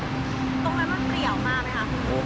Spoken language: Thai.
ตรงนี้ว่ามันเปรี้ยวมากมั้ยครับ